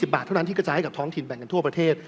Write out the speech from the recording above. บาทเท่านั้นที่กระจายให้กับท้องถิ่นแบ่งกันทั่วประเทศ